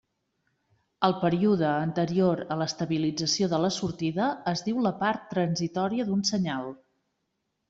El període anterior a l'estabilització de la sortida es diu la part transitòria d'un senyal.